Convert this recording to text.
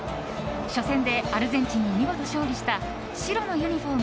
初戦でアルゼンチンに見事勝利した白のユニホーム